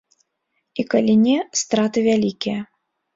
І калі не, страты вялікія.